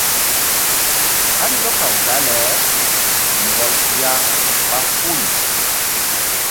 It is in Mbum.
Kandɔkaw dale mbɔl suya ɓa hul.